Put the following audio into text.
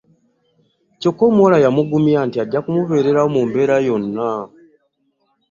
Kyokka omuwala yamugumya nti ajja mubeererawo mu mbeera yonna.